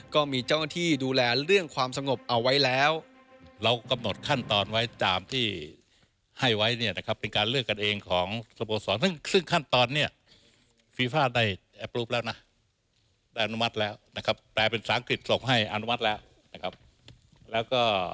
ก็มีเจ้าที่ดูแลเรื่องความสงบเอาไว้แล้ว